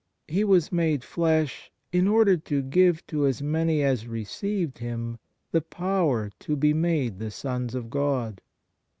He was made flesh in order to " give to as many as received Him the power to be made the sons of God."